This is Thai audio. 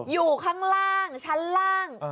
อยู่ข้างล่างชั้นล่าง